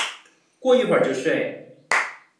过一会就睡